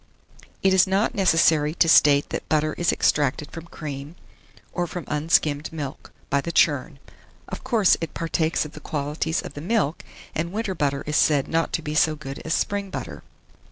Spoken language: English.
It is not necessary to state that butter is extracted from cream, or from unskimmed milk, by the churn. Of course it partakes of the qualities of the milk, and winter butter is said not to be so good as spring butter.